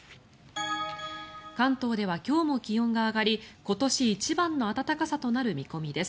関東では今日も気温が上がり今年一番の暖かさとなる見込みです。